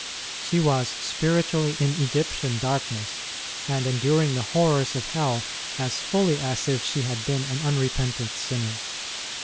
She was spiritually in Egyptian darkness and enduring the horrors of hell as fully as if she had been an unrepentant sinner.